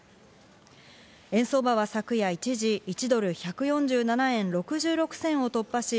円相場は昨夜一時、１ドル＝１４７円６６銭を突破し、